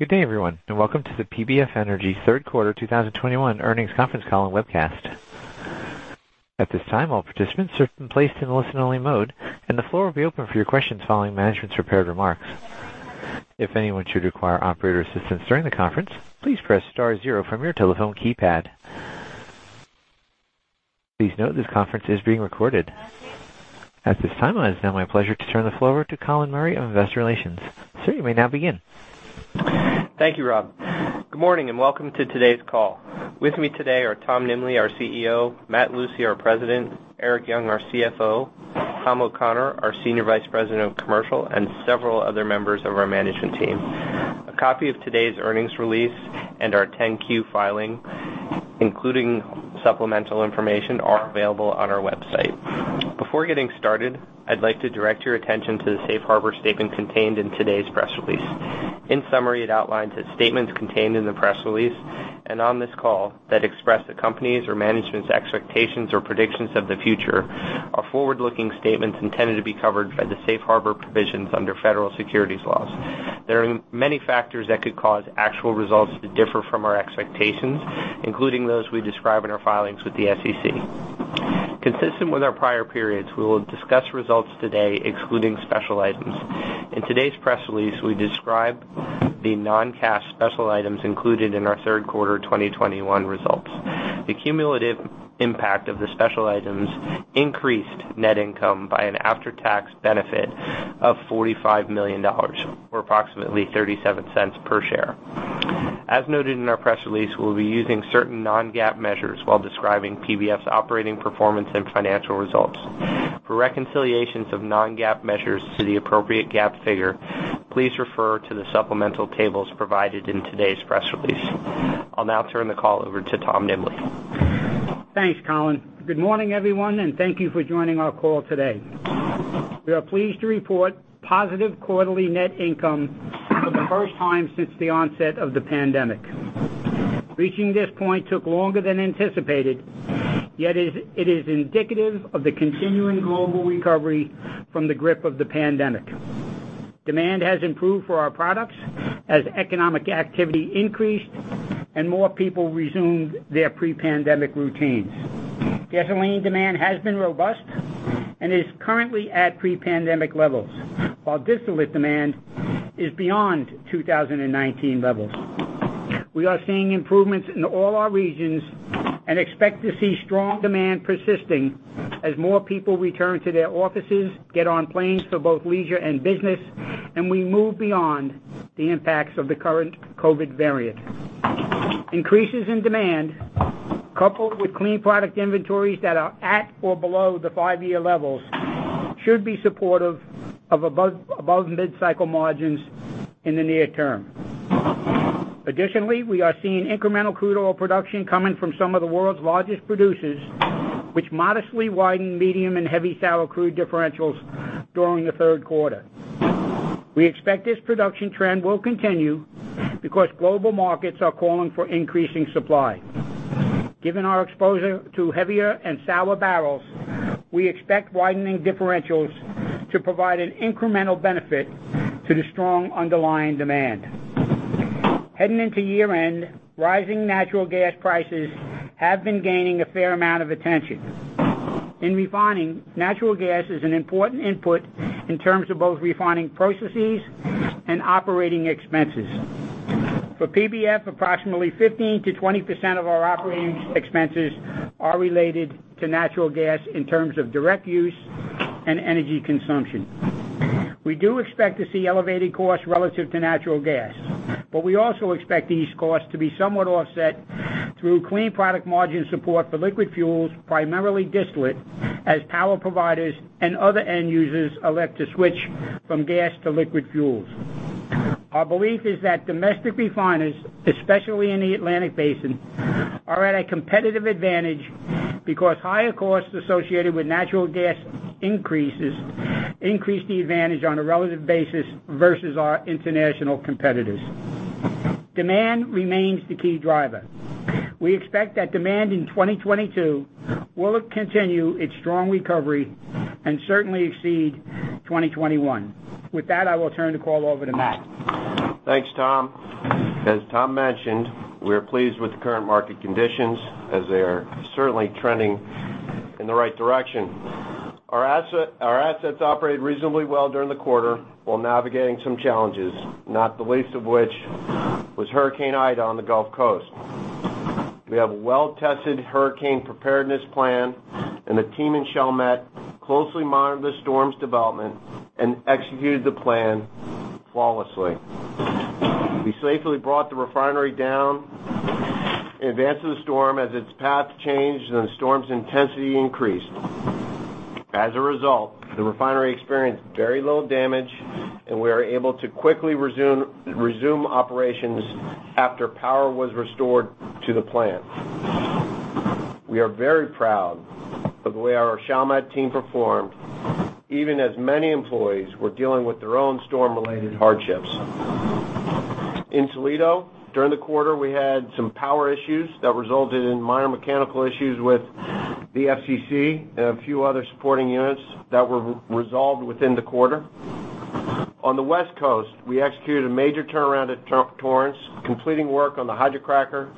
Good day, everyone, and welcome to the PBF Energy Third Quarter 2021 Earnings Conference Call and Webcast. At this time, all participants are placed in listen-only mode, and the floor will be open for your questions following management's prepared remarks. If anyone should require operator assistance during the conference, please press star zero from your telephone keypad. Please note this conference is being recorded. At this time, it is now my pleasure to turn the floor over to Colin Murray of Investor Relations. Sir, you may now begin. Thank you, Rob. Good morning, and welcome to today's call. With me today are Tom Nimbley, our CEO, Matt Lucey, our President, Erik Young, our CFO, Tom O'Connor, our Senior Vice President of Commercial, and several other members of our management team. A copy of today's earnings release and our 10-Q filing, including supplemental information, are available on our website. Before getting started, I'd like to direct your attention to the safe harbor statement contained in today's press release. In summary, it outlines that statements contained in the press release and on this call that express the company's or management's expectations or predictions of the future are forward-looking statements intended to be covered by the safe harbor provisions under federal securities laws. There are many factors that could cause actual results to differ from our expectations, including those we describe in our filings with the SEC. Consistent with our prior periods, we will discuss results today excluding special items. In today's press release, we describe the non-cash special items included in our third quarter 2021 results. The cumulative impact of the special items increased net income by an after-tax benefit of $45 million, or approximately $0.37 per share. As noted in our press release, we'll be using certain non-GAAP measures while describing PBF's operating performance and financial results. For reconciliations of non-GAAP measures to the appropriate GAAP figure, please refer to the supplemental tables provided in today's press release. I'll now turn the call over to Tom Nimbley. Thanks, Colin. Good morning, everyone, and thank you for joining our call today. We are pleased to report positive quarterly net income for the first time since the onset of the pandemic. Reaching this point took longer than anticipated, yet it is indicative of the continuing global recovery from the grip of the pandemic. Demand has improved for our products as economic activity increased and more people resumed their pre-pandemic routines. Gasoline demand has been robust and is currently at pre-pandemic levels, while distillate demand is beyond 2019 levels. We are seeing improvements in all our regions and expect to see strong demand persisting as more people return to their offices, get on planes for both leisure and business, and we move beyond the impacts of the current COVID variant. Increases in demand, coupled with clean product inventories that are at or below the five-year levels, should be supportive of above mid-cycle margins in the near term. Additionally, we are seeing incremental crude oil production coming from some of the world's largest producers, which modestly widened medium and heavy sour crude differentials during the third quarter. We expect this production trend will continue because global markets are calling for increasing supply. Given our exposure to heavier and sour barrels, we expect widening differentials to provide an incremental benefit to the strong underlying demand. Heading into year-end, rising natural gas prices have been gaining a fair amount of attention. In refining, natural gas is an important input in terms of both refining processes and operating expenses. For PBF, approximately 15%-20% of our operating expenses are related to natural gas in terms of direct use and energy consumption. We do expect to see elevated costs relative to natural gas, but we also expect these costs to be somewhat offset through clean product margin support for liquid fuels, primarily distillate, as power providers and other end users elect to switch from gas to liquid fuels. Our belief is that domestic refiners, especially in the Atlantic Basin, are at a competitive advantage because higher costs associated with natural gas increase the advantage on a relative basis versus our international competitors. Demand remains the key driver. We expect that demand in 2022 will continue its strong recovery and certainly exceed 2021. With that, I will turn the call over to Matt. Thanks, Tom. As Tom mentioned, we are pleased with the current market conditions as they are certainly trending in the right direction. Our asset, our assets operated reasonably well during the quarter while navigating some challenges, not the least of which was Hurricane Ida on the Gulf Coast. We have a well-tested hurricane preparedness plan, and the team in Chalmette closely monitored the storm's development and executed the plan flawlessly. We safely brought the refinery down in advance of the storm as its path changed and the storm's intensity increased. As a result, the refinery experienced very little damage, and we are able to quickly resume operations after power was restored to the plant. We are very proud of the way our Chalmette team performed, even as many employees were dealing with their own storm-related hardships. In Toledo, during the quarter, we had some power issues that resulted in minor mechanical issues with. The FCC and a few other supporting units that were re-resolved within the quarter. On the West Coast, we executed a major turnaround at Torrance, completing work on the hydrocracker,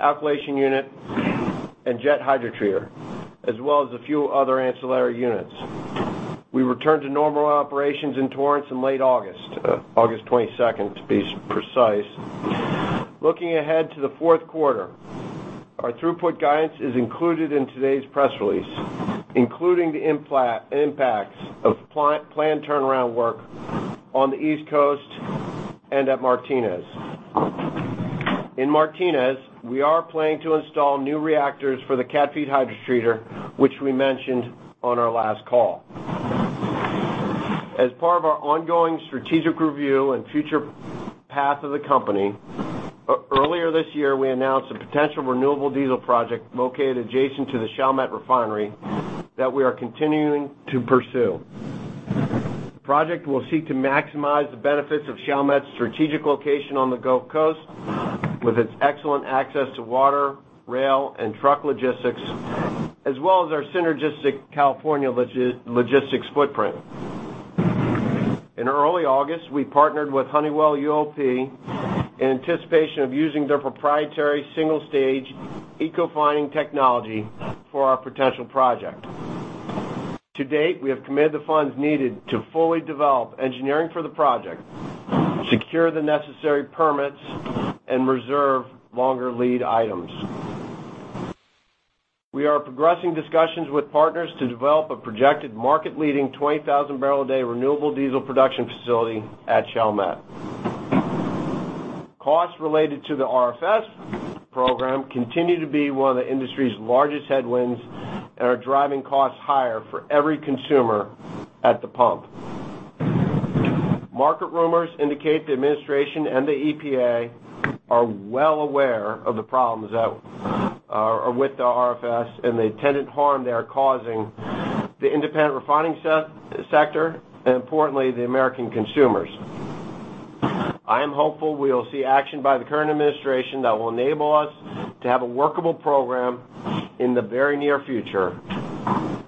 alkylation unit, and jet hydrotreater, as well as a few other ancillary units. We returned to normal operations in Torrance in late August 22nd, to be precise. Looking ahead to the fourth quarter, our throughput guidance is included in today's press release, including the impacts of planned turnaround work on the East Coast and at Martinez. In Martinez, we are planning to install new reactors for the cat feed hydrotreater, which we mentioned on our last call. As part of our ongoing strategic review and future path of the company, earlier this year, we announced a potential renewable diesel project located adjacent to the Chalmette Refinery that we are continuing to pursue. The project will seek to maximize the benefits of Chalmette's strategic location on the Gulf Coast with its excellent access to water, rail, and truck logistics, as well as our synergistic California logistics footprint. In early August, we partnered with Honeywell UOP in anticipation of using their proprietary single-stage Ecofining technology for our potential project. To date, we have committed the funds needed to fully develop engineering for the project, secure the necessary permits, and reserve longer lead items. We are progressing discussions with partners to develop a projected market-leading 20,000 barrels per day renewable diesel production facility at Chalmette. Costs related to the RFS program continue to be one of the industry's largest headwinds and are driving costs higher for every consumer at the pump. Market rumors indicate the administration and the EPA are well aware of the problems with the RFS and the intended harm they are causing the independent refining sector, and importantly, the American consumers. I am hopeful we will see action by the current administration that will enable us to have a workable program in the very near future,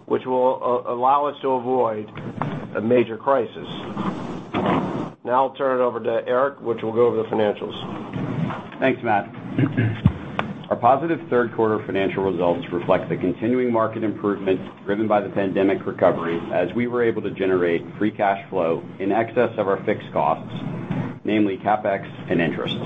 which will allow us to avoid a major crisis. Now I'll turn it over to Erik, who will go over the financials. Thanks, Matt. Our positive third quarter financial results reflect the continuing market improvements driven by the pandemic recovery as we were able to generate free cash flow in excess of our fixed costs, namely CapEx and interest.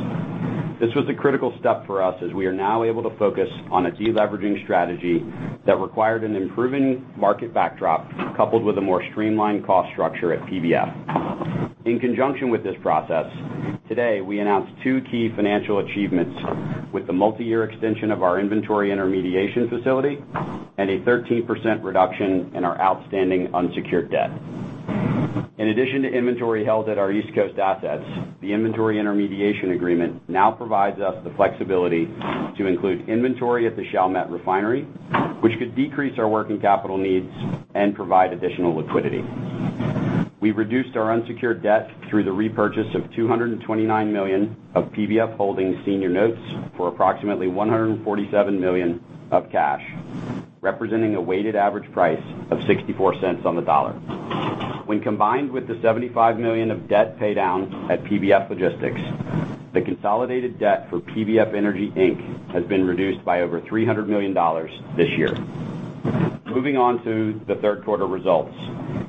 This was a critical step for us as we are now able to focus on a deleveraging strategy that required an improving market backdrop coupled with a more streamlined cost structure at PBF. In conjunction with this process, today, we announced two key financial achievements with the multiyear extension of our inventory intermediation facility and a 13% reduction in our outstanding unsecured debt. In addition to inventory held at our East Coast assets, the inventory intermediation agreement now provides us the flexibility to include inventory at the Chalmette Refinery, which could decrease our working capital needs and provide additional liquidity. We've reduced our unsecured debt through the repurchase of $229 million of PBF Holding senior notes for approximately $147 million of cash, representing a weighted average price of $0.64 on the dollar. When combined with the $75 million of debt pay down at PBF Logistics, the consolidated debt for PBF Energy Inc. has been reduced by over $300 million this year. Moving on to the third quarter results.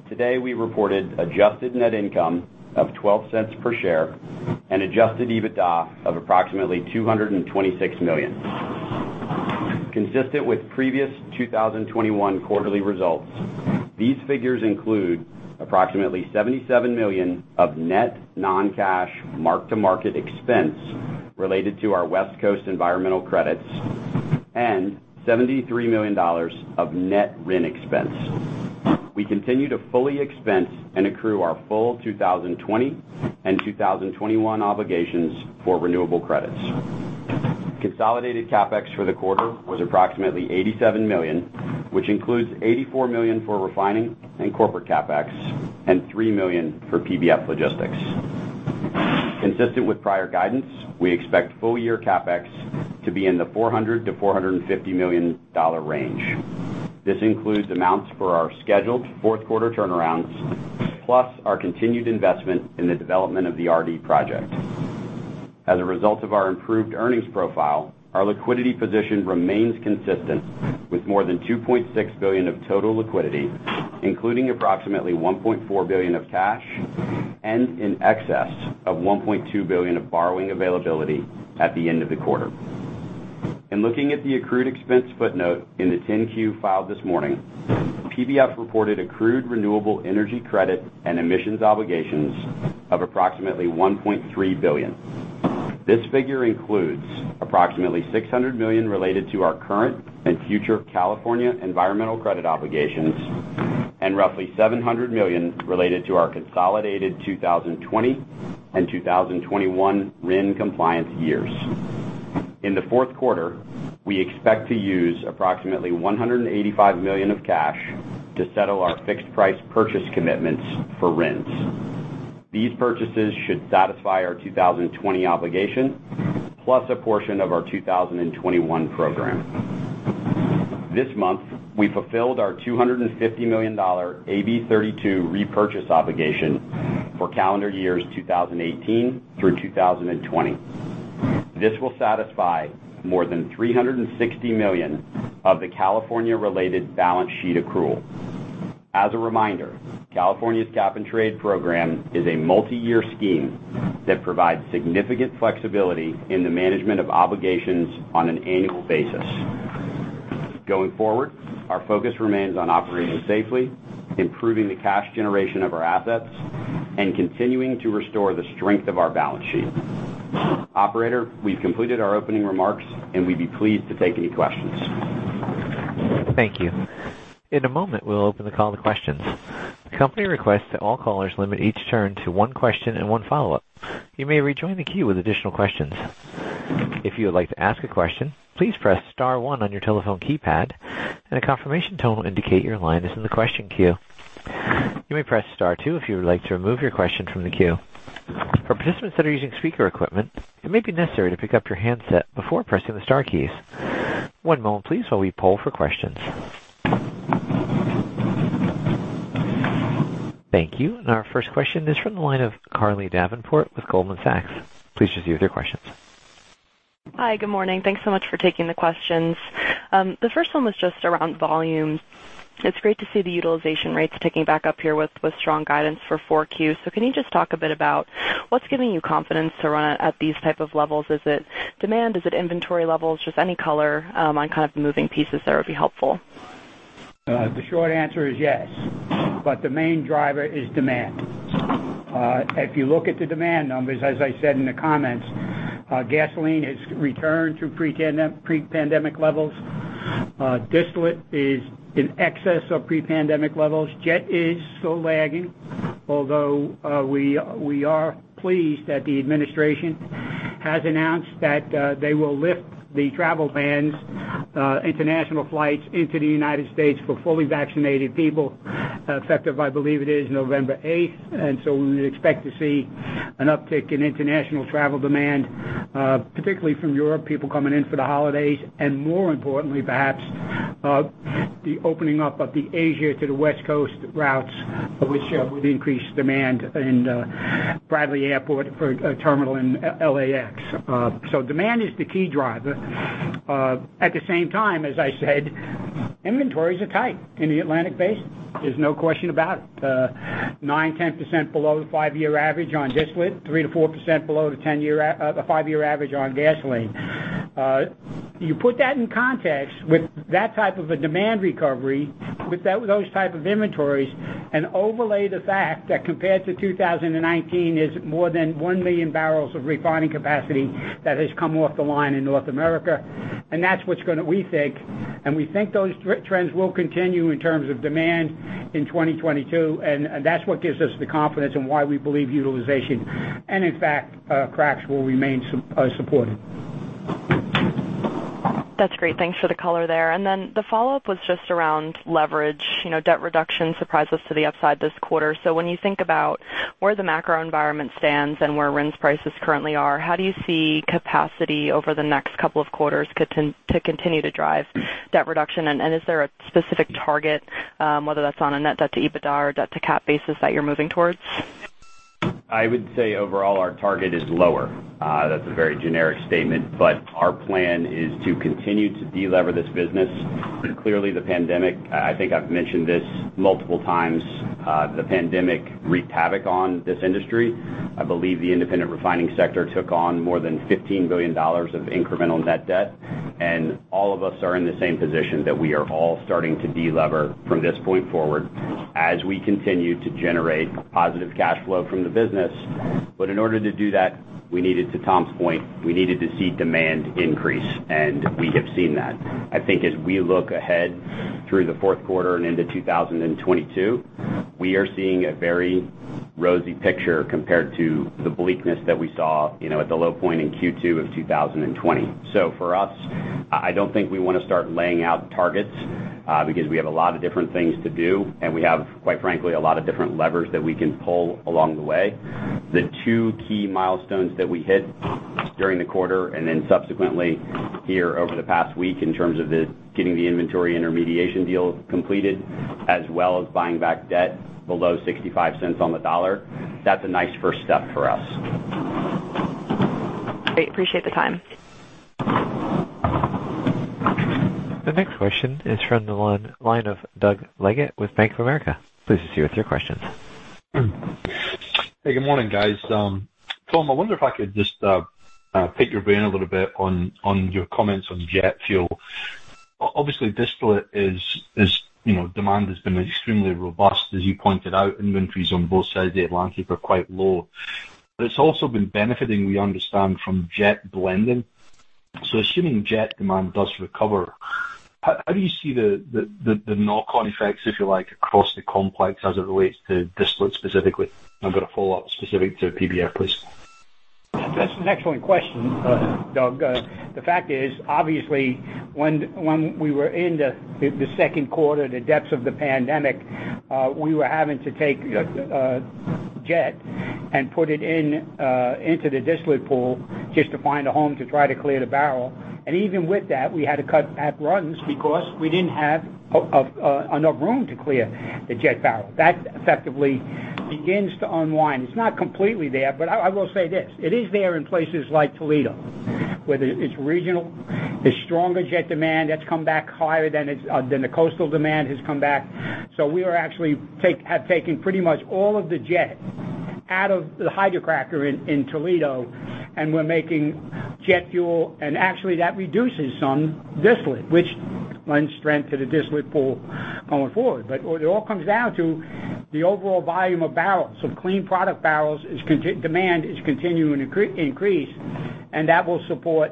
Today, we reported adjusted net income of $0.12 per share and adjusted EBITDA of approximately $226 million. Consistent with previous 2021 quarterly results, these figures include approximately $77 million of net non-cash mark-to-market expense related to our West Coast environmental credits and $73 million of net RIN expense. We continue to fully expense and accrue our full 2020 and 2021 obligations for renewable credits. Consolidated CapEx for the quarter was approximately $87 million, which includes $84 million for refining and corporate CapEx and $3 million for PBF Logistics. Consistent with prior guidance, we expect full year CapEx to be in the $400 million-$450 million range. This includes amounts for our scheduled fourth quarter turnarounds, plus our continued investment in the development of the RD project. As a result of our improved earnings profile, our liquidity position remains consistent with more than $2.6 billion of total liquidity, including approximately $1.4 billion of cash and in excess of $1.2 billion of borrowing availability at the end of the quarter. In looking at the accrued expense footnote in the 10-Q filed this morning, PBF reported accrued renewable energy credit and emissions obligations of approximately $1.3 billion. This figure includes approximately $600 million related to our current and future California environmental credit obligations and roughly $700 million related to our consolidated 2020 and 2021 RIN compliance years. In the fourth quarter, we expect to use approximately $185 million of cash to settle our fixed price purchase commitments for RINs. These purchases should satisfy our 2020 obligation, plus a portion of our 2021 program. This month, we fulfilled our $250 million AB 32 repurchase obligation for calendar years 2018 through 2020. This will satisfy more than $360 million of the California-related balance sheet accrual. As a reminder, California's cap-and-trade program is a multiyear scheme that provides significant flexibility in the management of obligations on an annual basis. Going forward, our focus remains on operating safely, improving the cash generation of our assets, and continuing to restore the strength of our balance sheet. Operator, we've completed our opening remarks, and we'd be pleased to take any questions. Thank you. In a moment, we'll open the call to questions. Company requests that all callers limit each turn to one question and one follow-up. You may rejoin the queue with additional questions. If you would like to ask a question, please press star one on your telephone keypad, and a confirmation tone will indicate your line is in the question queue. You may press star two if you would like to remove your question from the queue. For participants that are using speaker equipment, it may be necessary to pick up your handset before pressing the star keys. One moment please, while we poll for questions. Thank you. Our first question is from the line of Carly Davenport with Goldman Sachs. Please proceed with your questions. Hi. Good morning. Thanks so much for taking the questions. The first one was just around volume. It's great to see the utilization rates ticking back up here with strong guidance for 4Q. Can you just talk a bit about what's giving you confidence to run at these type of levels? Is it demand? Is it inventory levels? Just any color on kind of the moving pieces there would be helpful. The short answer is yes, but the main driver is demand. If you look at the demand numbers, as I said in the comments, gasoline has returned to pre-pandemic levels. Distillate is in excess of pre-pandemic levels. Jet is still lagging, although we are pleased that the administration has announced that they will lift the travel bans, international flights into the United States for fully vaccinated people, effective, I believe it is November 8th. We would expect to see an uptick in international travel demand, particularly from Europe, people coming in for the holidays, and more importantly, perhaps, the opening up of the Asia to the West Coast routes, which would increase demand at the Bradley International Terminal at LAX. So demand is the key driver. At the same time, as I said, inventories are tight in the Atlantic base. There's no question about it. 9%-10% below the five-year average on distillate. 3%-4% below the five-year average on gasoline. You put that in context with that type of a demand recovery, with those type of inventories, and overlay the fact that compared to 2019 is more than 1 million barrels of refining capacity that has come off the line in North America. That's what's gonna, we think, and we think those trends will continue in terms of demand in 2022, and that's what gives us the confidence in why we believe utilization, and in fact, cracks will remain supported. That's great. Thanks for the color there. Then the follow-up was just around leverage. You know, debt reduction surprised us to the upside this quarter. When you think about where the macro environment stands and where RINs prices currently are, how do you see capacity over the next couple of quarters to continue to drive debt reduction? Is there a specific target, whether that's on a net debt to EBITDA or debt to cap basis that you're moving towards? I would say overall, our target is lower. That's a very generic statement, but our plan is to continue to delever this business. Clearly, the pandemic, I think I've mentioned this multiple times, the pandemic wreaked havoc on this industry. I believe the independent refining sector took on more than $15 billion of incremental net debt, and all of us are in the same position that we are all starting to delever from this point forward as we continue to generate positive cash flow from the business. In order to do that, to Tom's point, we needed to see demand increase, and we have seen that. I think as we look ahead through the fourth quarter and into 2022, we are seeing a very rosy picture compared to the bleakness that we saw, you know, at the low point in Q2 of 2020. For us, I don't think we wanna start laying out targets, because we have a lot of different things to do, and we have, quite frankly, a lot of different levers that we can pull along the way. The two key milestones that we hit during the quarter and then subsequently here over the past week in terms of getting the inventory intermediation deal completed, as well as buying back debt below $0.65 on the dollar, that's a nice first step for us. Great. I appreciate the time. The next question is from the line of Doug Leggate with Bank of America. Please proceed with your questions. Hey, good morning, guys. Tom, I wonder if I could just pick your brain a little bit on your comments on jet fuel. Obviously, distillate is, you know, demand has been extremely robust. As you pointed out, inventories on both sides of the Atlantic are quite low. It's also been benefiting, we understand, from jet blending. Assuming jet demand does recover, how do you see the knock-on effects, if you like, across the complex as it relates to distillate specifically? I've got a follow-up specific to PBF, please. That's an excellent question, Doug. The fact is, obviously, when we were in the second quarter, the depths of the pandemic, we were having to take jet and put it into the distillate pool just to find a home to try to clear the barrel. Even with that, we had to cut back runs because we didn't have enough room to clear the jet barrel. That effectively begins to unwind. It's not completely there, but I will say this, it is there in places like Toledo, where it's regional. There's stronger jet demand that's come back higher than the coastal demand has come back. We have actually taken pretty much all of the jet out of the hydrocracker in Toledo, and we're making jet fuel. Actually that reduces some distillate, which lends strength to the distillate pool going forward. What it all comes down to is the overall volume of barrels. Clean product barrels demand is continuing to increase, and that will support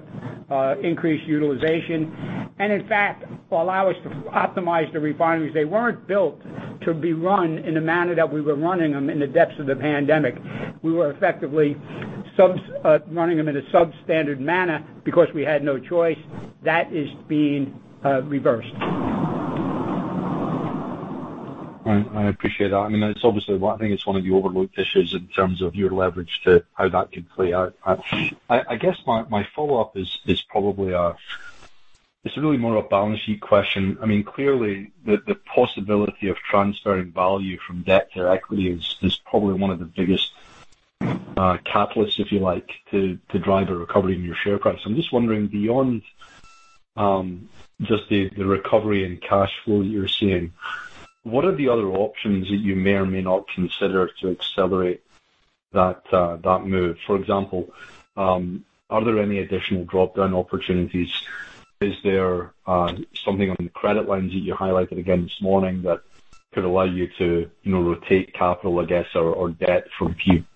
increased utilization. In fact, it will allow us to optimize the refineries. They weren't built to be run in the manner that we were running them in the depths of the pandemic. We were effectively running them in a substandard manner because we had no choice. That is being reversed. I appreciate that. I mean, that's obviously one of the overlooked issues in terms of your leverage to how that could play out. I guess my follow-up is probably it's really more of a balance sheet question. I mean, clearly the possibility of transferring value from debt to equity is probably one of the biggest catalysts, if you like, to drive a recovery in your share price. I'm just wondering beyond just the recovery and cash flow you're seeing, what are the other options that you may or may not consider to accelerate that move? For example, are there any additional drop-down opportunities? Is there something on the credit lines that you highlighted again this morning that could allow you to, you know, rotate capital, I guess, or debt from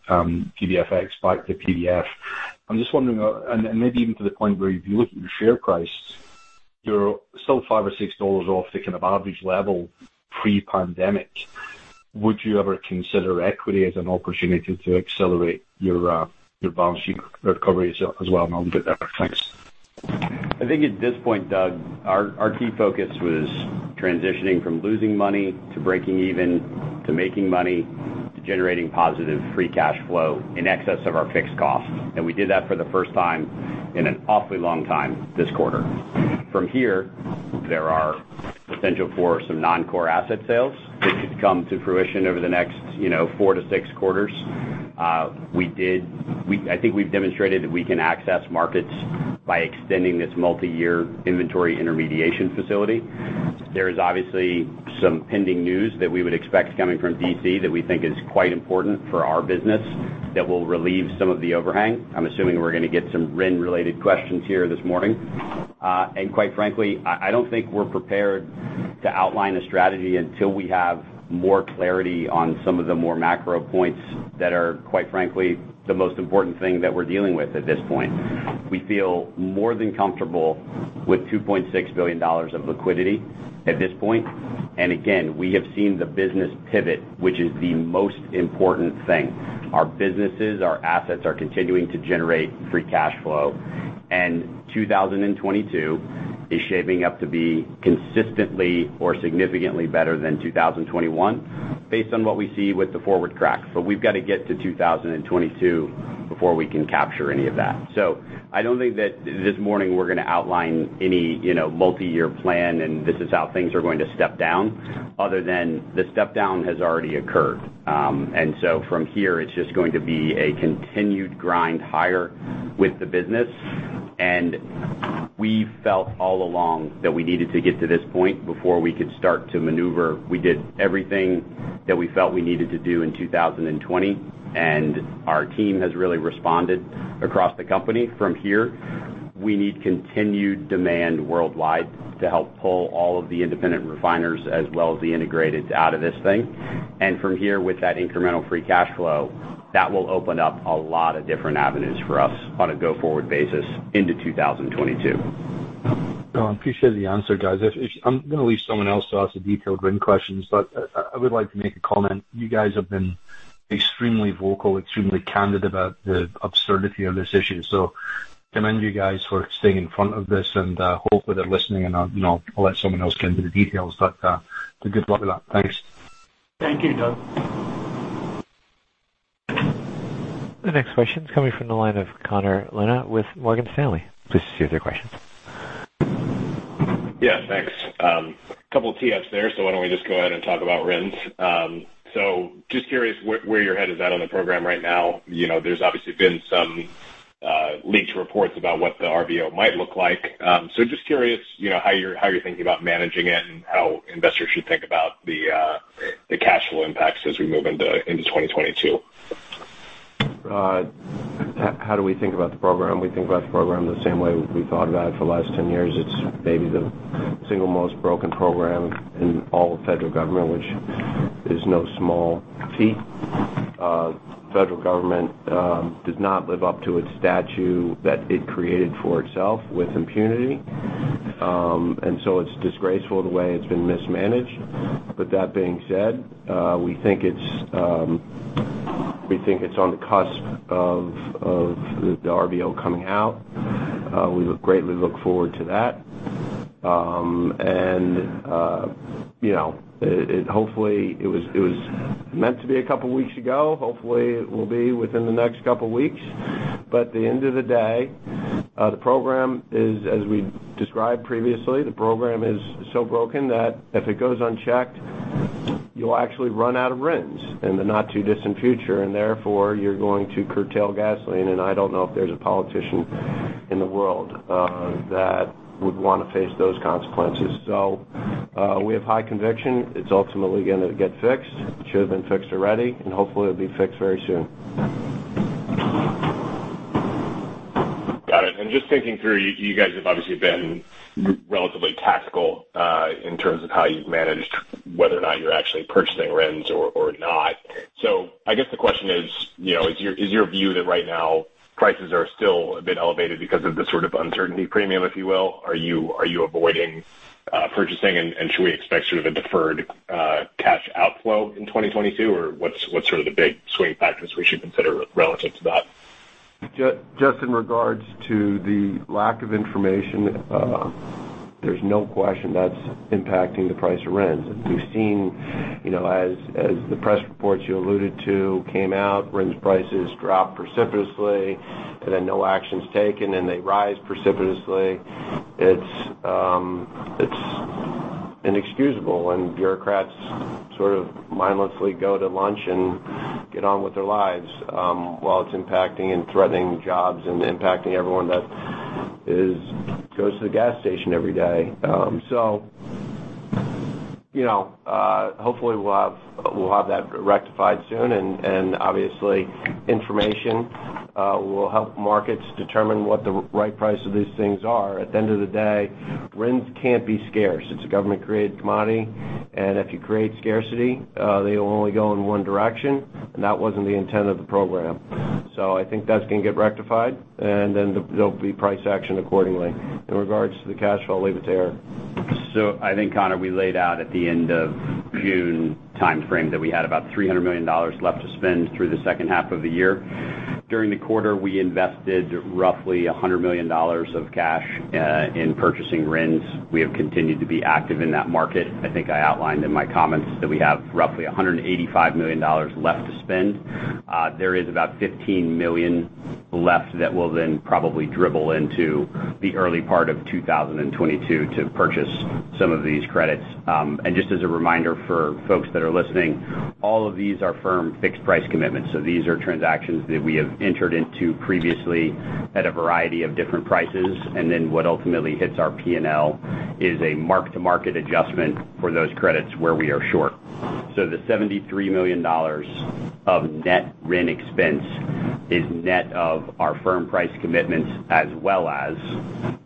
PBFX back to PBF? I'm just wondering, and maybe even to the point where if you look at your share price, you're still $5 or $6 off the kind of average level pre-pandemic. Would you ever consider equity as an opportunity to accelerate your your balance sheet recovery as well? I'll get there. Thanks. I think at this point, Doug, our key focus was transitioning from losing money to breaking even to making money to generating positive free cash flow in excess of our fixed costs. We did that for the first time in an awfully long time this quarter. From here, there are potential for some non-core asset sales that could come to fruition over the next, you know, 4-6 quarters. I think we've demonstrated that we can access markets by extending this multiyear inventory intermediation facility. There is obviously some pending news that we would expect coming from D.C. that we think is quite important for our business that will relieve some of the overhang. I'm assuming we're gonna get some RIN-related questions here this morning. Quite frankly, I don't think we're prepared to outline a strategy until we have more clarity on some of the more macro points that are, quite frankly, the most important thing that we're dealing with at this point. We feel more than comfortable with $2.6 billion of liquidity at this point. We have seen the business pivot, which is the most important thing. Our businesses, our assets are continuing to generate free cash flow. 2022 is shaping up to be consistently or significantly better than 2021 based on what we see with the forward track. We've got to get to 2022 before we can capture any of that. I don't think that this morning we're gonna outline any, you know, multiyear plan, and this is how things are going to step down other than the step-down has already occurred. From here, it's just going to be a continued grind higher with the business. We felt all along that we needed to get to this point before we could start to maneuver. We did everything that we felt we needed to do in 2020, and our team has really responded across the company. From here, we need continued demand worldwide to help pull all of the independent refiners as well as the integrated out of this thing. From here, with that incremental free cash flow, that will open up a lot of different avenues for us on a go-forward basis into 2022. No, I appreciate the answer, guys. If I'm gonna leave someone else to ask the detailed RIN questions, but I would like to make a comment. You guys have been extremely vocal, extremely candid about the absurdity of this issue. I commend you guys for staying in front of this and hopefully they're listening and you know, I'll let someone else get into the details. Good luck with that. Thanks. Thank you, Doug. The next question is coming from the line of Connor Lynagh with Morgan Stanley. Please proceed with your question. Yeah, thanks. Couple topics there, why don't we just go ahead and talk about RINs? Just curious where your head is at on the program right now. You know, there's obviously been some leaked reports about what the RVO might look like. Just curious, you know, how you're thinking about managing it and how investors should think about the cash flow impacts as we move into 2022. How do we think about the program? We think about the program the same way we thought about it for the last 10 years. It's maybe the single most broken program in all of federal government, which is no small feat. Federal government does not live up to its statute that it created for itself with impunity. It's disgraceful the way it's been mismanaged. That being said, we think it's. We think it's on the cusp of the RVO coming out. We greatly look forward to that. Hopefully it was meant to be a couple weeks ago. Hopefully it will be within the next couple weeks. At the end of the day, the program is as we described previously. The program is so broken that if it goes unchecked, you'll actually run out of RINs in the not too distant future, and therefore you're going to curtail gasoline. I don't know if there's a politician in the world that would wanna face those consequences. We have high conviction it's ultimately gonna get fixed. It should have been fixed already, and hopefully it'll be fixed very soon. Got it. Just thinking through, you guys have obviously been relatively tactical in terms of how you've managed whether or not you're actually purchasing RINs or not. I guess the question is, you know, is your view that right now prices are still a bit elevated because of the sort of uncertainty premium, if you will? Are you avoiding purchasing and should we expect sort of a deferred cash outflow in 2022, or what's sort of the big swing factors we should consider relative to that? Just in regards to the lack of information, there's no question that's impacting the price of RINs. We've seen, you know, as the press reports you alluded to came out, RINs prices dropped precipitously, and then no action's taken, and they rise precipitously. It's inexcusable when bureaucrats sort of mindlessly go to lunch and get on with their lives, while it's impacting and threatening jobs and impacting everyone that goes to the gas station every day. You know, hopefully we'll have that rectified soon and obviously information will help markets determine what the right price of these things are. At the end of the day, RINs can't be scarce. It's a government-created commodity, and if you create scarcity, they will only go in one direction, and that wasn't the intent of the program. I think that's gonna get rectified and then there'll be price action accordingly. In regards to the cash flow, I'll leave it to Erik. I think, Connor, we laid out at the end of June timeframe that we had about $300 million left to spend through the second half of the year. During the quarter, we invested roughly $100 million of cash in purchasing RINs. We have continued to be active in that market. I think I outlined in my comments that we have roughly $185 million left to spend. There is about $15 million left that will then probably dribble into the early part of 2022 to purchase some of these credits. Just as a reminder for folks that are listening, all of these are firm fixed price commitments. These are transactions that we have entered into previously at a variety of different prices, and then what ultimately hits our P&L is a mark-to-market adjustment for those credits where we are short. The $73 million of net RIN expense is net of our firm price commitments, as well as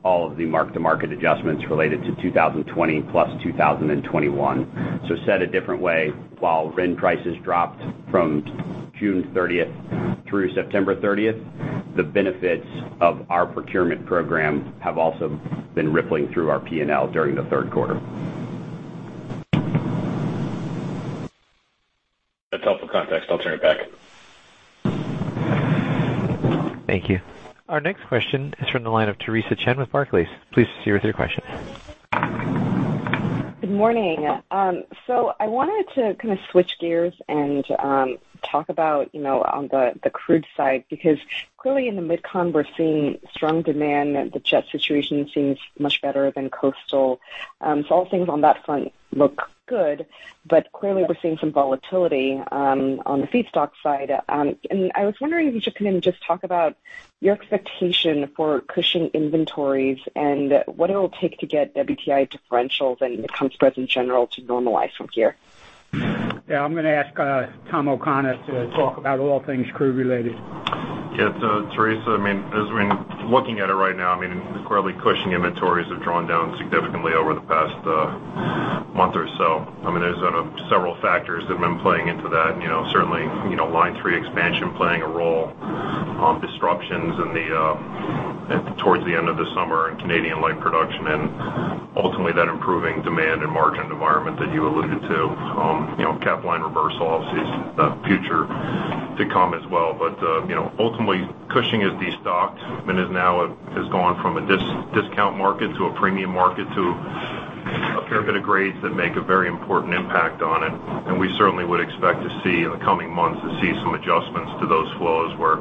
all of the mark-to-market adjustments related to 2020 plus 2021. Said a different way, while RIN prices dropped from June 30th through September 30th, the benefits of our procurement program have also been rippling through our P&L during the third quarter. That's helpful context. I'll turn it back. Thank you. Our next question is from the line of Theresa Chen with Barclays. Please proceed with your question. Good morning. I wanted to kind of switch gears and talk about, you know, on the crude side, because clearly in the MidCon, we're seeing strong demand. The jet situation seems much better than coastal. All things on that front look good. Clearly we're seeing some volatility on the feedstock side. I was wondering if you could kind of just talk about your expectation for Cushing inventories and what it'll take to get WTI differentials and the crack spreads in general to normalize from here. Yeah. I'm gonna ask, Tom O'Connor to talk about all things crude related. Teresa, I mean, as we're looking at it right now, I mean, incredibly Cushing inventories have drawn down significantly over the past month or so. I mean, there's several factors that have been playing into that. You know, certainly, you know, Line 3 expansion playing a role, disruptions in the towards the end of the summer in Canadian oil sands production and ultimately that improving demand and margin environment that you alluded to. You know, Capline reversal obviously is the future to come as well. But, you know, ultimately, Cushing is destocked and is now has gone from a discount market to a premium market for a fair bit of grades that make a very important impact on it. We certainly would expect to see in the coming months some adjustments to those flows where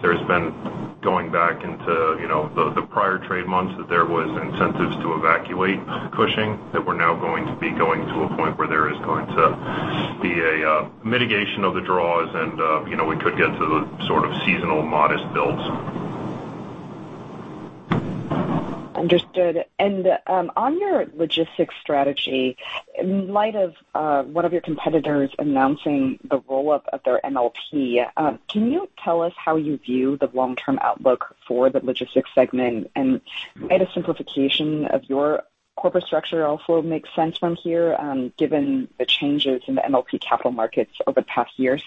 there's been going back into, you know, the prior trade months that there was incentives to evacuate Cushing that we're now going to be going to a point where there is going to be a mitigation of the draws and, you know, we could get to the sort of seasonal modest builds. Understood. On your logistics strategy, in light of one of your competitors announcing the roll-up of their MLP, can you tell us how you view the long-term outlook for the logistics segment? Might a simplification of your corporate structure also make sense from here, given the changes in the MLP capital markets over the past years?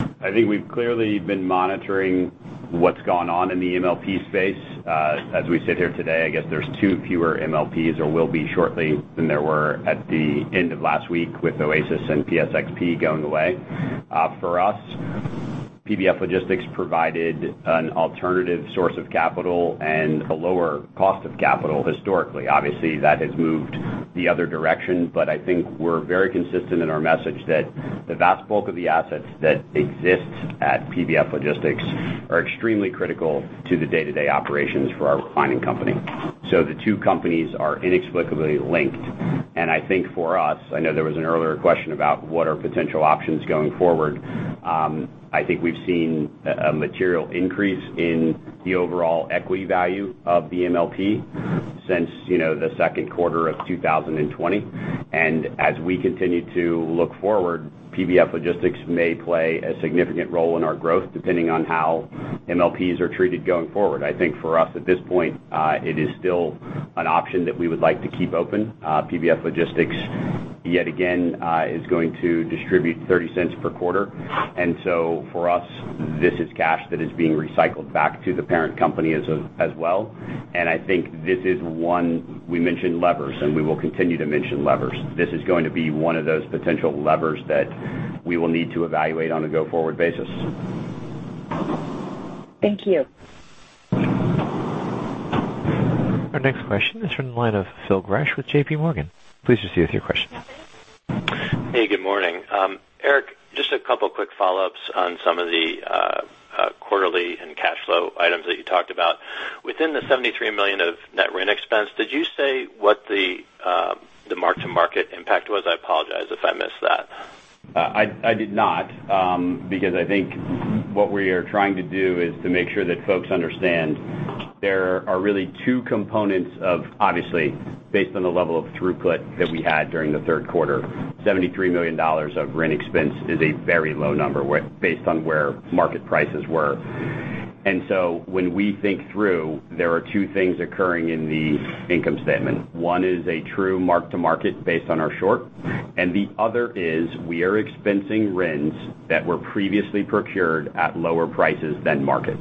I think we've clearly been monitoring what's gone on in the MLP space. As we sit here today, I guess there's two fewer MLPs or will be shortly than there were at the end of last week with Oasis and PSXP going away. For us, PBF Logistics provided an alternative source of capital and a lower cost of capital historically. Obviously, that has moved the other direction, but I think we're very consistent in our message that the vast bulk of the assets that exist at PBF Logistics are extremely critical to the day-to-day operations for our refining company. The two companies are inexplicably linked. I think for us, I know there was an earlier question about what are potential options going forward. I think we've seen a material increase in the overall equity value of the MLP since, you know, the second quarter of 2020. As we continue to look forward, PBF Logistics may play a significant role in our growth depending on how MLPs are treated going forward. I think for us, at this point, it is still an option that we would like to keep open. PBF Logistics, yet again, is going to distribute $0.30 per quarter. For us, this is cash that is being recycled back to the parent company as well. I think this is one. We mentioned levers, and we will continue to mention levers. This is going to be one of those potential levers that we will need to evaluate on a go-forward basis. Thank you. Our next question is from the line of Phil Gresh with JPMorgan. Please proceed with your question. Operator? Hey, good morning. Erik, just a couple of quick follow-ups on some of the quarterly and cash flow items that you talked about. Within the $73 million of net RIN expense, did you say what the mark-to-market impact was? I apologize if I missed that. I did not because I think what we are trying to do is to make sure that folks understand there are really two components of. Obviously, based on the level of throughput that we had during the third quarter, $73 million of RIN expense is a very low number, where based on where market prices were. When we think through, there are two things occurring in the income statement. One is a true mark to market based on our short, and the other is we are expensing RINs that were previously procured at lower prices than market.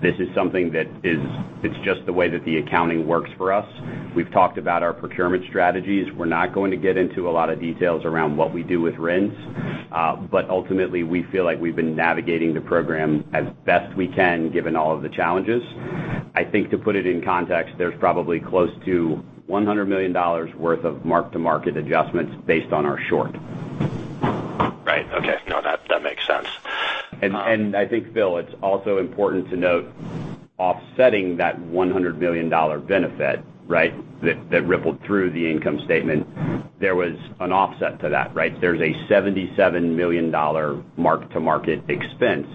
This is something that is. It's just the way that the accounting works for us. We've talked about our procurement strategies. We're not going to get into a lot of details around what we do with RINs, but ultimately, we feel like we've been navigating the program as best we can, given all of the challenges. I think to put it in context, there's probably close to $100 million worth of mark-to-market adjustments based on our short. Right. Okay. No, that makes sense. I think, Phil, it's also important to note offsetting that $100 million benefit, right? That rippled through the income statement, there was an offset to that, right? There's a $77 million mark-to-market expense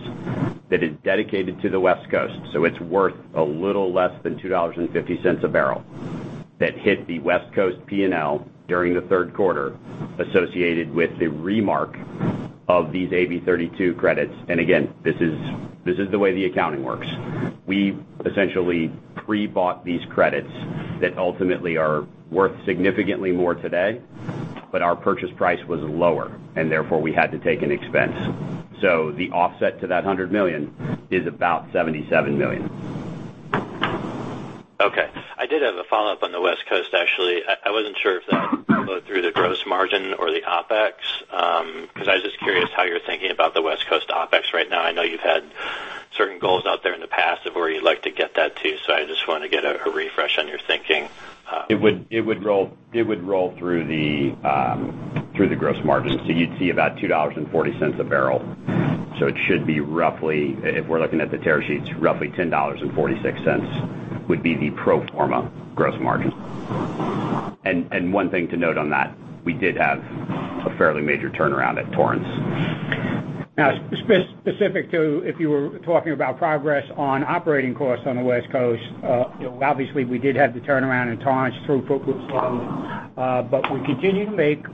that is dedicated to the West Coast, so it's worth a little less than $2.50 a barrel that hit the West Coast P&L during the third quarter associated with the re-mark of these AB 32 credits. Again, this is the way the accounting works. We essentially pre-bought these credits that ultimately are worth significantly more today, but our purchase price was lower, and therefore, we had to take an expense. The offset to that $100 million is about $77 million. Okay. I did have a follow-up on the West Coast, actually. I wasn't sure if that would flow through the gross margin or the OpEx, 'cause I was just curious how you're thinking about the West Coast OpEx right now. I know you've had certain goals out there in the past of where you'd like to get that to, so I just wanna get a refresh on your thinking. It would roll through the gross margin. You'd see about $2.40 a barrel. It should be roughly, if we're looking at the tear sheets, roughly $10.46 would be the pro forma gross margin. One thing to note on that, we did have a fairly major turnaround at Torrance. Now, specific to if you were talking about progress on operating costs on the West Coast, you know, obviously, we did have the turnaround in Torrance throughput was slow. But we continue to make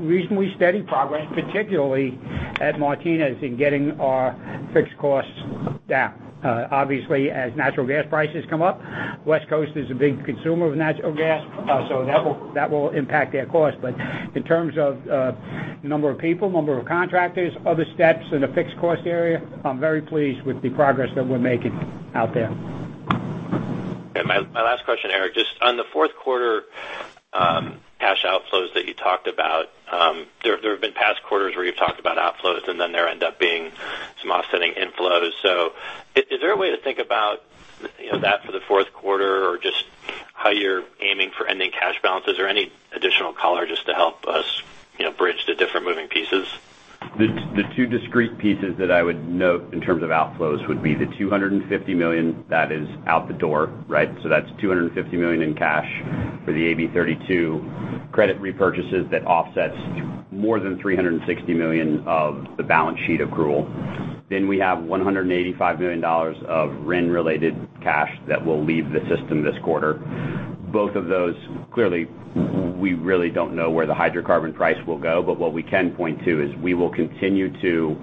reasonably steady progress, particularly at Martinez, in getting our fixed costs down. Obviously, as natural gas prices come up, West Coast is a big consumer of natural gas, so that will impact their cost. But in terms of number of people, number of contractors, other steps in the fixed cost area, I'm very pleased with the progress that we're making out there. My last question, Erik, just on the fourth quarter, cash outflows that you talked about, there have been past quarters where you've talked about outflows, and then there end up being some offsetting inflows. Is there a way to think about, you know, that for the fourth quarter or just how you're aiming for ending cash balances or any additional color just to help us, you know, bridge the different moving pieces? The two discrete pieces that I would note in terms of outflows would be the $250 million that is out the door, right? That's $250 million in cash for the AB 32 credit repurchases that offsets more than $360 million of the balance sheet accrual. Then we have $185 million of RIN-related cash that will leave the system this quarter. Both of those, clearly, we really don't know where the hydrocarbon price will go, but what we can point to is we will continue to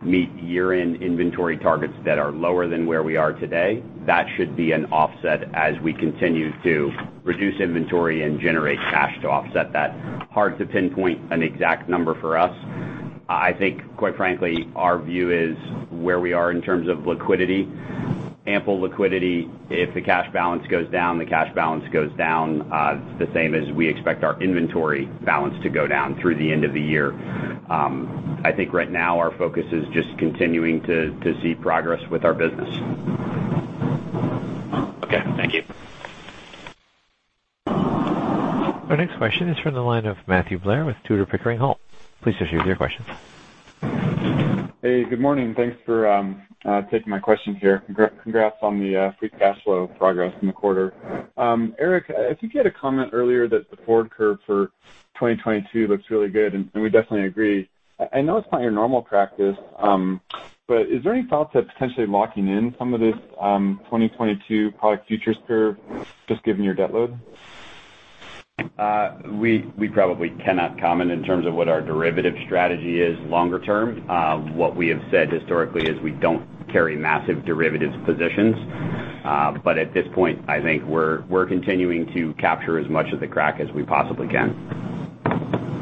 meet year-end inventory targets that are lower than where we are today. That should be an offset as we continue to reduce inventory and generate cash to offset that. Hard to pinpoint an exact number for us. I think, quite frankly, our view is where we are in terms of liquidity. Ample liquidity. If the cash balance goes down, the cash balance goes down, the same as we expect our inventory balance to go down through the end of the year. I think right now our focus is just continuing to see progress with our business. Okay. Thank you. Our next question is from the line of Matthew Blair with Tudor, Pickering, Holt. Please proceed with your question. Hey, good morning. Thanks for taking my question here. Congrats on the free cash flow progress in the quarter. Erik, I think you had a comment earlier that the forward curve for 2022 looks really good, and we definitely agree. I know it's not your normal practice, but is there any thoughts of potentially locking in some of this 2022 product futures curve just given your debt load? We probably cannot comment in terms of what our derivative strategy is longer term. What we have said historically is we don't carry massive derivatives positions. At this point, I think we're continuing to capture as much of the crack as we possibly can.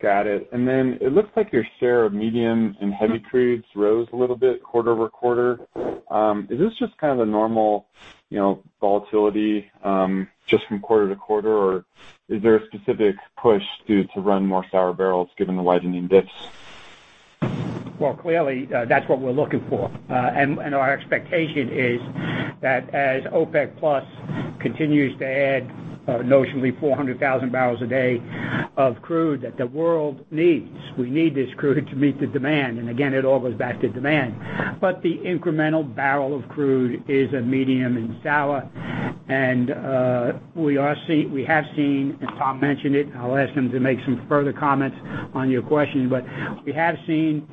Got it. It looks like your share of medium and heavy crudes rose a little bit quarter-over-quarter. Is this just kind of a normal, you know, volatility, just from quarter-over-quarter, or is there a specific push to run more sour barrels given the widening diffs? Well, clearly, that's what we're looking for. Our expectation is that as OPEC+ continues to add notionally 400,000 barrels a day of crude that the world needs. We need this crude to meet the demand, and again, it all goes back to demand. The incremental barrel of crude is a medium and sour. We have seen, and Tom mentioned it, and I'll ask him to make some further comments on your question. We have seen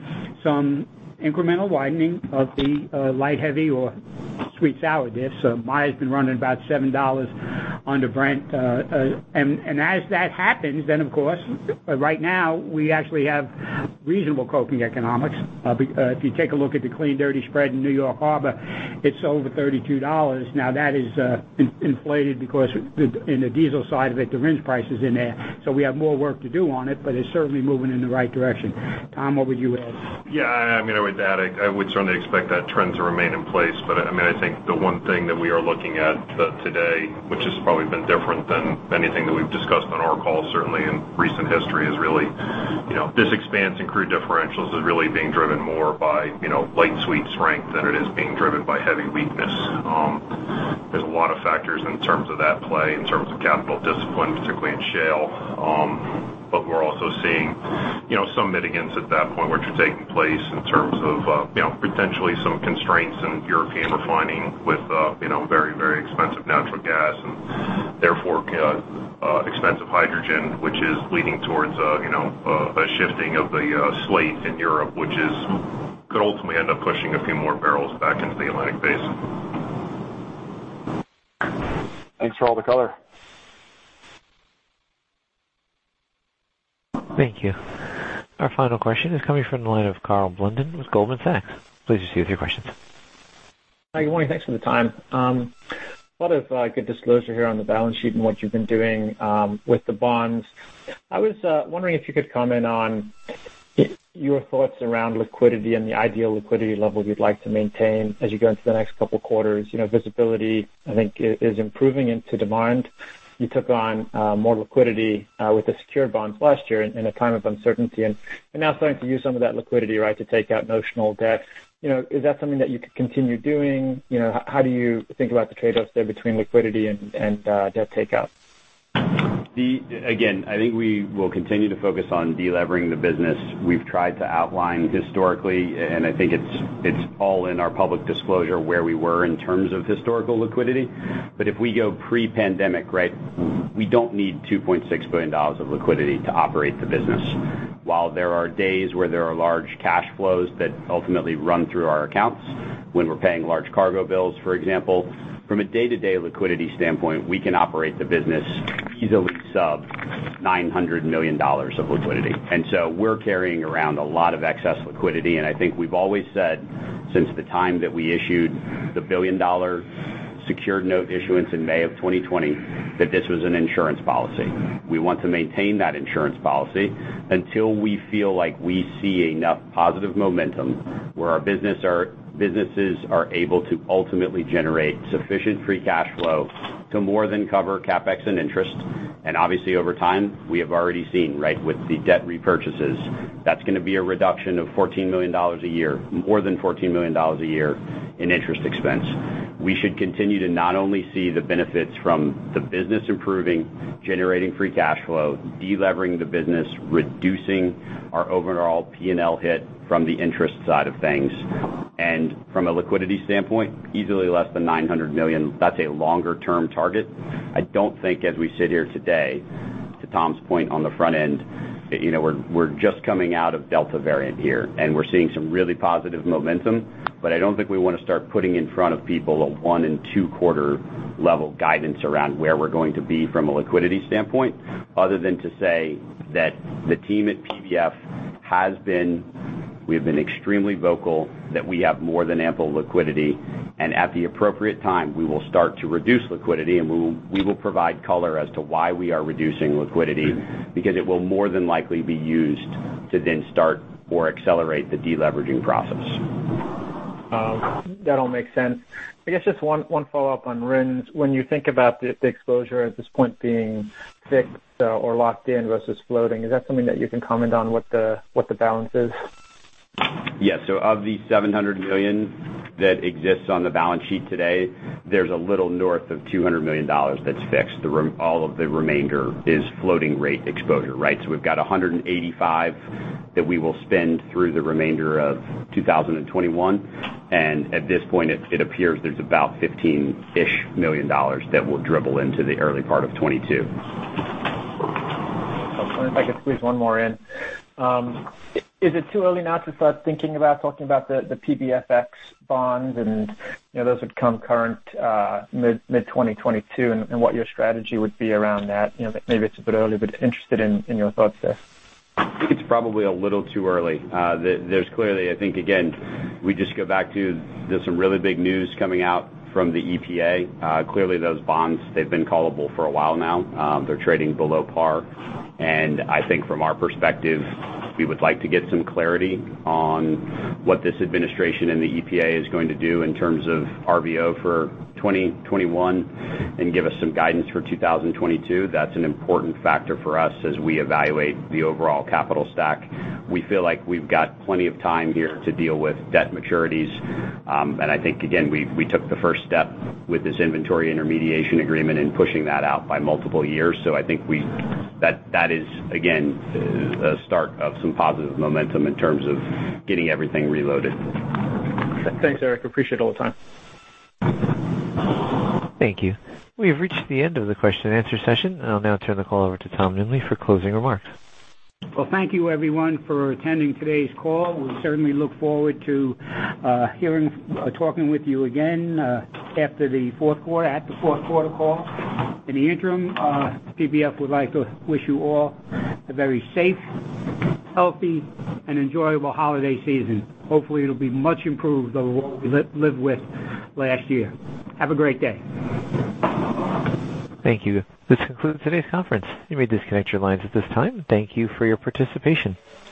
some incremental widening of the light heavy or sweet sour diffs. Maya's been running about $7 under Brent. As that happens, then of course, right now we actually have reasonable coking economics. If you take a look at the clean dirty spread in New York Harbor, it's over $32. Now, that is inflated because, in the diesel side of it, the RINs price is in there. We have more work to do on it, but it's certainly moving in the right direction. Tom, what would you add? Yeah, I mean, I would add, I would certainly expect that trend to remain in place. I mean, I think the one thing that we are looking at today, which has probably been different than anything that we've discussed on our call, certainly in recent history, is really, you know, this expansion in crude differentials is really being driven more by, you know, light sweet strength than it is being driven by heavy weakness. There's a lot of factors in terms of that play, in terms of capital discipline, particularly in shale. We're also seeing, you know, some mitigants at that point, which are taking place in terms of, you know, potentially some constraints in European refining with, you know, very, very expensive natural gas and therefore, expensive hydrogen, which is leading towards, you know, a shifting of the slate in Europe, which could ultimately end up pushing a few more barrels back into the Atlantic Basin. Thanks for all the color. Thank you. Our final question is coming from the line of Karl Blunden with Goldman Sachs. Please proceed with your questions. Hi, good morning. Thanks for the time. A lot of good disclosure here on the balance sheet and what you've been doing with the bonds. I was wondering if you could comment on your thoughts around liquidity and the ideal liquidity level you'd like to maintain as you go into the next couple quarters. You know, visibility, I think is improving into demand. You took on more liquidity with the secured bond last year in a time of uncertainty, and you're now starting to use some of that liquidity, right, to take out notional debt. You know, is that something that you could continue doing? You know, how do you think about the trade-offs there between liquidity and debt takeout? Again, I think we will continue to focus on delevering the business. We've tried to outline historically, and I think it's all in our public disclosure where we were in terms of historical liquidity. But if we go pre-pandemic, right, we don't need $2.6 billion of liquidity to operate the business. While there are days where there are large cash flows that ultimately run through our accounts when we're paying large cargo bills, for example, from a day-to-day liquidity standpoint, we can operate the business easily sub $900 million of liquidity. We're carrying around a lot of excess liquidity. I think we've always said since the time that we issued the $1 billion secured note issuance in May 2020 that this was an insurance policy. We want to maintain that insurance policy until we feel like we see enough positive momentum where our businesses are able to ultimately generate sufficient free cash flow to more than cover CapEx and interest. Obviously, over time, we have already seen, right, with the debt repurchases, that's gonna be a reduction of $14 million a year, more than $14 million a year in interest expense. We should continue to not only see the benefits from the business improving, generating free cash flow, delevering the business, reducing our overall P&L hit from the interest side of things. From a liquidity standpoint, easily less than $900 million. That's a longer-term target. I don't think as we sit here today, to Tom's point on the front end, you know, we're just coming out of Delta variant here, and we're seeing some really positive momentum, but I don't think we wanna start putting in front of people a 1 and 2-quarter level guidance around where we're going to be from a liquidity standpoint, other than to say that we have been extremely vocal that we have more than ample liquidity. At the appropriate time, we will start to reduce liquidity, and we will provide color as to why we are reducing liquidity because it will more than likely be used to then start or accelerate the deleveraging process. That all makes sense. I guess just one follow-up on RINs. When you think about the exposure at this point being fixed or locked in versus floating, is that something that you can comment on what the balance is? Yes. Of the 700 million that exists on the balance sheet today, there's a little north of $200 million that's fixed. All of the remainder is floating rate exposure, right? We've got $185 million that we will spend through the remainder of 2021. At this point, it appears there's about $15-ish million that will dribble into the early part of 2022. If I could squeeze one more in. Is it too early now to start thinking about talking about the PBFX bonds and those would come current mid-2022 and what your strategy would be around that? Maybe it's a bit early, but I'm interested in your thoughts there. It's probably a little too early. There's clearly, I think again, we just go back to. There's some really big news coming out from the EPA. Clearly those bonds, they've been callable for a while now. They're trading below par. I think from our perspective, we would like to get some clarity on what this administration and the EPA is going to do in terms of RVO for 2021 and give us some guidance for 2022. That's an important factor for us as we evaluate the overall capital stack. We feel like we've got plenty of time here to deal with debt maturities. I think, again, we took the first step with this inventory intermediation agreement in pushing that out by multiple years. I think that is, again, a start of some positive momentum in terms of getting everything reloaded. Thanks, Erik. Appreciate all the time. Thank you. We have reached the end of the question-and-answer session, and I'll now turn the call over to Tom Nimbley for closing remarks. Well, thank you everyone for attending today's call. We certainly look forward to talking with you again after the fourth quarter, at the fourth quarter call. In the interim, PBF would like to wish you all a very safe, healthy and enjoyable holiday season. Hopefully, it'll be much improved over what we lived with last year. Have a great day. Thank you. This concludes today's conference. You may disconnect your lines at this time. Thank you for your participation.